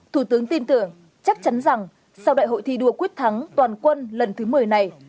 thủ tướng tin tưởng chắc chắn rằng sau đại hội thi đua quyết thắng toàn quân lần thứ một mươi này